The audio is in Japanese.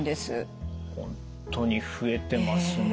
本当に増えてますね。